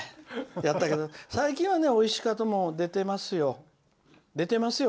やったけど最近はおいしかとも出てますよ。